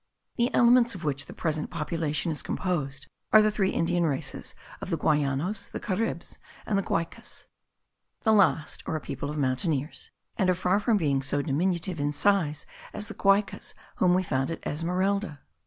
The elements of which the present population is composed are the three Indian races of the Guayanos, the Caribs and the Guaycas. The last are a people of mountaineers and are far from being so diminutive in size as the Guaycas whom we found at Esmeralda.